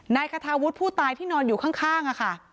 นายคาทาวุฒิผู้ตายที่นอนอยู่ข้างค่ะ